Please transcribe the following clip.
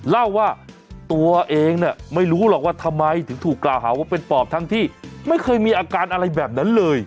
เล่าว่าตัวเองเนี่ยไม่รู้หรอกว่าทำไมถึงถูกกล่าวหาว่าเป็นปอบทั้งที่ไม่เคยมีอาการอะไรแบบนั้นเลย